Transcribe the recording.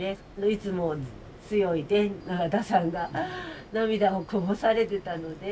いつも強い永田さんが涙をこぼされてたので。